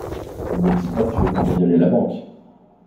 Me dis pas que tu veux cambrioler la banque.